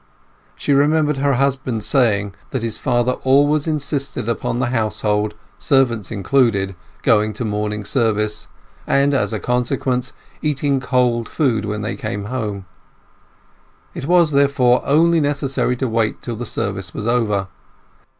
She remembered her husband saying that his father always insisted upon the household, servants included, going to morning service, and, as a consequence, eating cold food when they came home. It was, therefore, only necessary to wait till the service was over.